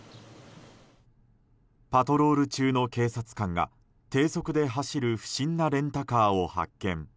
パトロール中の警察官が低速で走る不審なレンタカーを発見。